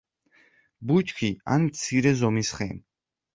ბუჩქი ან მცირე ზომის ხე.